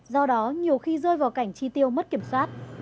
do đó nhiều khi rơi vào cảnh chi tiêu mất kiểm soát